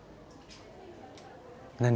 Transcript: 何？